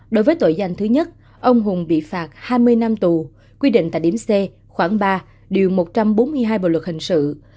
đối với tội danh thứ nhất ông hùng bị phạt hai mươi năm tù quy định tại điểm c khoảng ba điều một trăm bốn mươi hai bộ luật hình sự